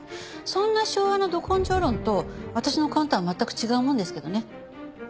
そんな昭和のド根性論と私の勘とは全く違うもんですけどね。